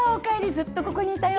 ずっとここにいたよ！